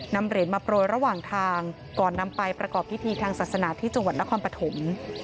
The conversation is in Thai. นำเหรียญมาโปรยระหว่างทางก่อนนำไปประกอบพิธีทางศาสนาที่จังหวัดนครปฐม